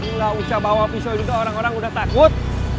nggak usah bawa pisau juga orang orang udah takut